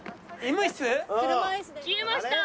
消えました！